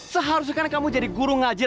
seharusnya kamu jadi guru ngaji